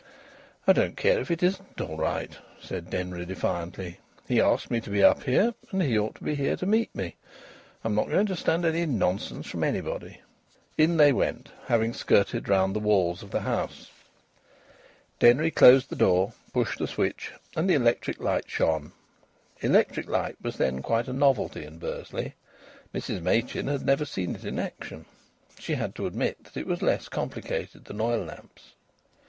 "I don't care if it isn't all right," said Denry, defiantly. "He asked me to be up here, and he ought to be here to meet me. I'm not going to stand any nonsense from anybody." In they went, having skirted round the walls of the house. Denry closed the door, pushed a switch, and the electric light shone. Electric light was then quite a novelty in Bursley. Mrs Machin had never seen it in action. She had to admit that it was less complicated than oil lamps.